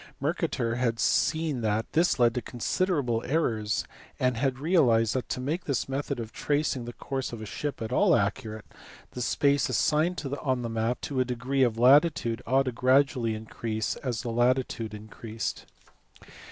Mercator had seen that this led to considerable errors, and had realized that to make this method of tracing the course of a ship at all accurate the space assigned on the map to a degree of latitude ought gradually to increase as the latitude increased.